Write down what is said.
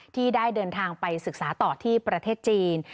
ที่ได้เดินทางไปศึกษาต่อที่ประเทศจีน